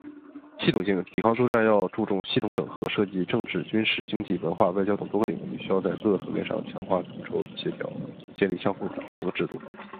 系统性：抵抗作战要注重系统整合，涉及政治、军事、经济、文化、外交等多个领域，需要在各个层面上强化统筹协调，建立相互补充的制度。